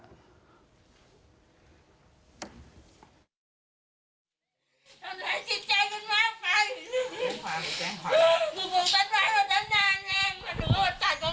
ทำลายจิตใจขึ้นมากไป